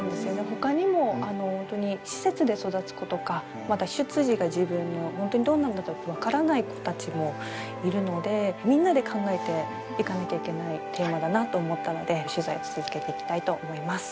ほかにも本当に施設で育つ子とかまだ出自が自分の本当にどうなんだと分からない子たちもいるのでみんなで考えていかなきゃいけないテーマだなと思ったので取材を続けていきたいと思います。